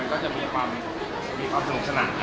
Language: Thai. มันก็จะมีความโรคสรรค์ได้